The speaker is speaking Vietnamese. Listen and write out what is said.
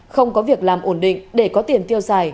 không có việc làm ổn định để có tiền tiêu xài